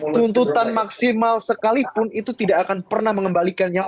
tuntutan maksimal sekalipun itu tidak akan pernah mengembalikannya